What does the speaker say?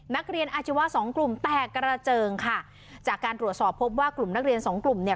นักเรียนอาชีวะสองกลุ่มแตกกระเจิงค่ะจากการตรวจสอบพบว่ากลุ่มนักเรียนสองกลุ่มเนี่ย